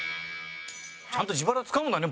ちゃんと自腹使うんだね